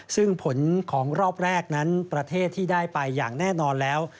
ซึ่งผลของรอบแรกนั้นประเทศที่ได้ไปอย่างแน่นอนแล้ว